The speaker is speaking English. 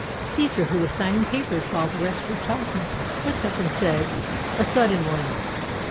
Caesar, who was signing papers while the rest were talking, looked up and said, "A sud den one."